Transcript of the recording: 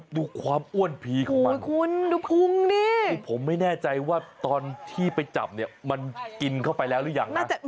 ดูความอ้วนผีของมันดูพุงดิคือผมไม่แน่ใจว่าตอนที่ไปจับเนี่ยมันกินเข้าไปแล้วหรือยังนะ